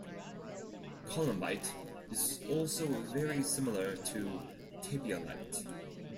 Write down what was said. Columbite is also very similar to tapiolite.